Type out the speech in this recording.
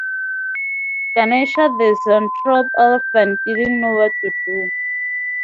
Ganesha the zoanthrope Elephant didn't know what to do.